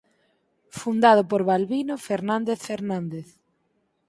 Fundado por Balbino Fernández Fernández.